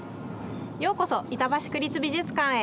ようこそ板橋区立美術館へ。